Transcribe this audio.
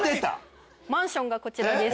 マンションがこちらです。